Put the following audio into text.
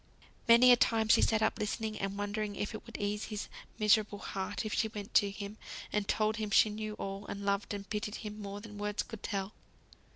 Many a time she sat up listening, and wondering if it would ease his miserable heart if she went to him, and told him she knew all, and loved and pitied him more than words could tell.